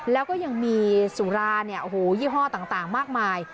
แล้วก็ยังมีสุราเนี่ยโอ้โหยี่ห้อต่างมากมาย